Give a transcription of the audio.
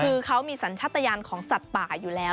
คือเขามีสัญชาติยานของสัตว์ป่าอยู่แล้ว